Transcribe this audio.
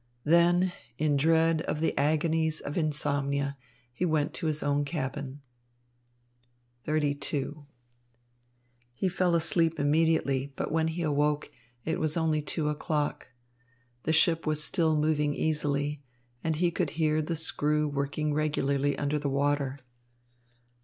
Then, in dread of the agonies of insomnia, he went to his own cabin. XXXII He fell asleep immediately, but when he awoke, it was only two o'clock. The ship was still moving easily, and he could hear the screw working regularly under the water.